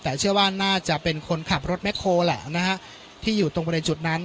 แต่เชื่อว่าน่าจะเป็นคนขับรถแคลแหละนะฮะที่อยู่ตรงบริเวณจุดนั้น